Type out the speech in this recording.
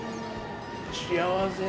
幸せ。